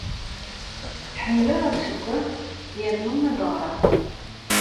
Ḥemmleɣ ad ssewweɣ yernu ad ɣreɣ.